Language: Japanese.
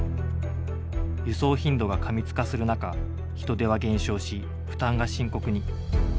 輸送頻度が過密化する中人手は減少し負担が深刻に。